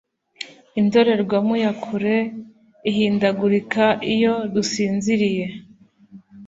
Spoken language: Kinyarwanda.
Indorerwamo ya kure ihindagurika iyo dusinziriye